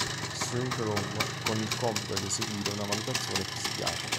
Shrink-Rom, con il compito di eseguire una valutazione psichiatrica.